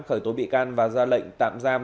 khởi tố bị can và ra lệnh tạm giam